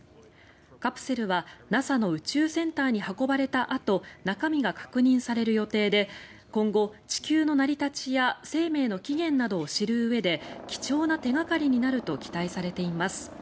カプセルはＮＡＳＡの宇宙センターに運ばれたあと中身が確認される予定で今後、地球の成り立ちや生命の起源などを知るうえで貴重な手掛かりになると期待されています。